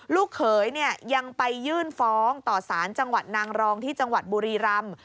ลูกเขยเนี่ยยังไปยื่นฟ้องต่อสารจังหวัดนางรองที่จังหวัดบุรีรำ